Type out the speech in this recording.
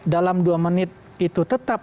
dalam dua menit itu tetap